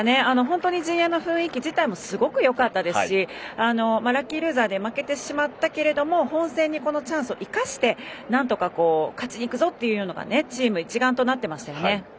陣営の雰囲気もすごくよかったですしラッキールーザーで負けてしまったけれども本戦に、このチャンスを生かして勝ちにいくぞっていうのがチーム一丸となってましたよね。